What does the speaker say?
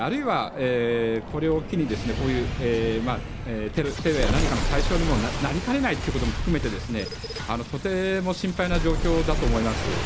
あるいは、これを機にこういうテロや何かの対象にもなりかねないということも含めてとても心配な状況だと思います。